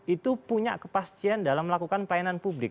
itu punya kepastian dalam melakukan pelayanan publik